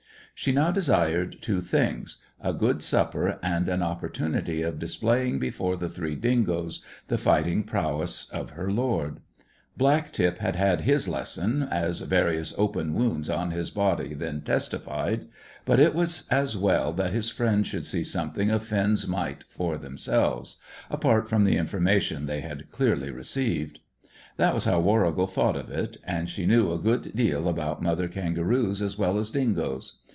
She now desired two things: a good supper and an opportunity of displaying before the three dingoes the fighting prowess of her lord. Black tip had had his lesson, as various open wounds on his body then testified, but it was as well that his friends should see something of Finn's might for themselves, apart from the information they had clearly received. That was how Warrigal thought of it, and she knew a good deal about mother kangaroos as well as dingoes.